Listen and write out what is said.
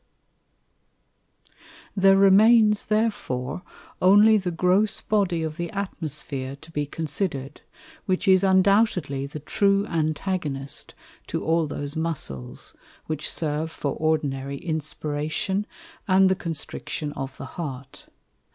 There remains therefore only the gross Body of the Atmosphere to be considered, which is undoubtedly the true Antagonist to all those Muscles, which serve for ordinary Inspiration, and the Constriction of the Heart.